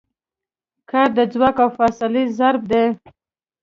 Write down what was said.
کار د ځواک او فاصلې ضرب دی.